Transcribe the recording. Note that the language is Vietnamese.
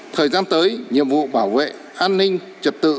thời gian tới nhiệm vụ bảo vệ an ninh trật tự